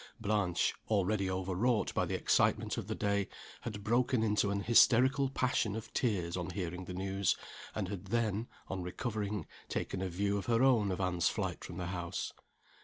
Blanche (already overwrought by the excitement of the day) had broken into an hysterical passion of tears on hearing the news, and had then, on recovering, taken a view of her own of Anne's flight from the house.